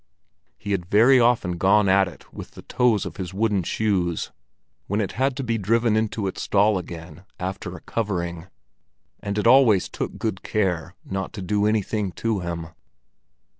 He had very often gone at it with the toes of his wooden shoes, when it had to be driven into its stall again after a covering; and it always took good care not to do anything to him.